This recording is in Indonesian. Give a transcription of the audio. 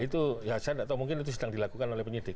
itu ya saya tidak tahu mungkin itu sedang dilakukan oleh penyidik